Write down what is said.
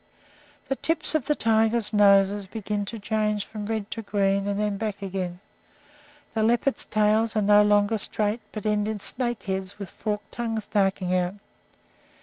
The tips of the tigers' noses begin to change from red to green, and then back again; the leopards' tails are no longer straight, but end in snake heads with forked tongues darting out.